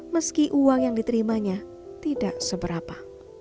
meski uang yang diterimanya tidak seberapa